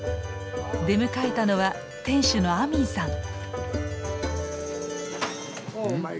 出迎えたのは店主のアミンさん。